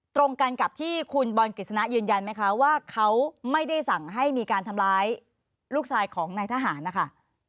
ตรงกันกับที่คุณบอลกฤษณะยืนยันไหมคะว่าเขาไม่ได้สั่งให้มีการทำร้ายลูกชายของนายทหารนะคะ